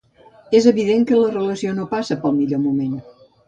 És evident que la relació no passa pel millor moment.